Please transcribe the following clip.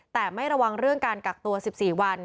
แต่ไม่ระวังเรื่องการกักตัว๑๔วัน